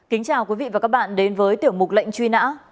kính chào quý vị và các bạn đến với tiểu mục lệnh truy nã